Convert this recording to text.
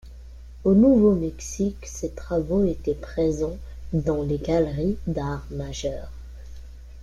Au Nouveau-Mexique, ses travaux étaient présents dans les galeries d'art majeures.